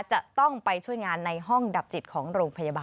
จะต้องไปช่วยงานในห้องดับจิตของโรงพยาบาล